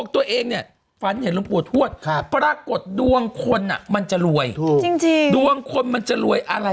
ตัวเองฝันเห็นหลวงปู่ถวด